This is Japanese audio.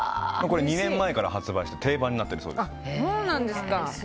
２年前から発売していて定番になっているそうです。